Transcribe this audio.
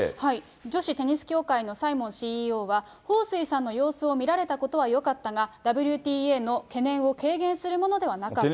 女子テニス協会のサイモンＣＥＯは、彭帥さんの様子を見られたことはよかったが、ＷＴＡの懸念を軽減するものではなかった。